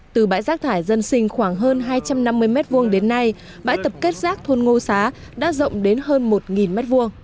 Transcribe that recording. từ bãi rác thải dân sinh khoảng hơn hai trăm năm mươi m hai đến nay bãi tập kết rác thôn ngô xá đã rộng đến hơn một m hai